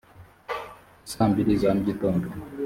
i saa mbiri za mu gitondo